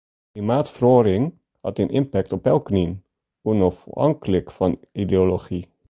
Klimaatferoaring hat in ympekt op elkenien, ûnôfhinklik fan ideology.